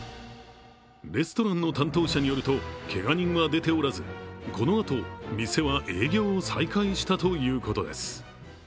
レストランの担当者によると、けが人は出ておらず、このあと店は営業を再開したということです。